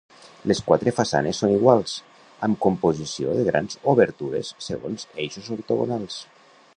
Les quatre façanes són iguals, amb composició de grans obertures segons eixos ortogonals.